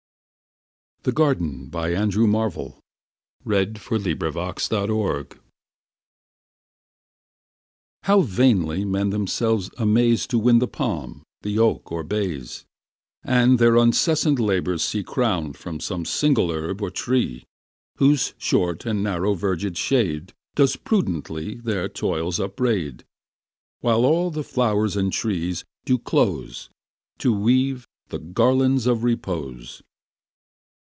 gained both the wind and sun. Andrew Marvell The Garden HOW vainly men themselves amaze To win the palm, the oak, or bays, And their uncessant labours see Crown'd from some single herb or tree, Whose short and narrow verged shade Does prudently their toils upbraid; While all flow'rs and all trees do close To weave the garlands of repose.